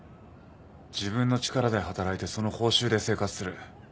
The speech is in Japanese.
自分の力で働いてその報酬で生活する。